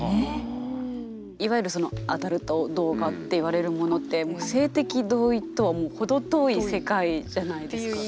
いわゆるそのアダルト動画っていわれるものってもう性的同意とはもう程遠い世界じゃないですか。